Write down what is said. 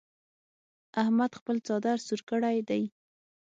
احمد خپل څادر سور کړ دی.